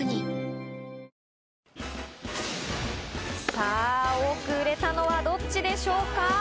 さぁ、多く売れたのはどっちでしょうか？